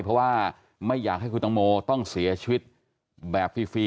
เพราะว่าไม่อยากให้คุณตังโมต้องเสียชีวิตแบบฟรี